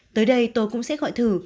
tới đây tôi cũng sẽ gọi thử